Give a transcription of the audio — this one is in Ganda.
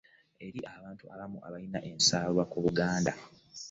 Eriyo abantu abamu abalina ensaalwa ku Buganda.